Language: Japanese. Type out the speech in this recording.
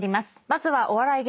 まずはお笑い